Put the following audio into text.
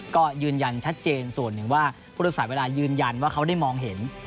ก็ยืนยันชัดเจนส่วนหนึ่งว่าผู้โดยสารเวลายืนยันว่าเขาได้มองเห็น